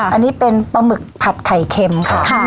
อันนี้เป็นปลาหมึกผัดไข่เค็มค่ะ